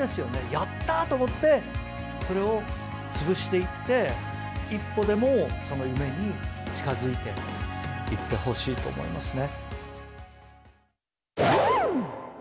やったーと思って、それを潰していって、一歩でもその夢に近づいていってほしいと思いますね。